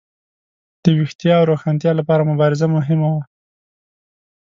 د ویښتیا او روښانتیا لپاره مبارزه مهمه وه.